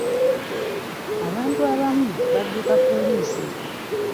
Abantu abamu badduka poliisi.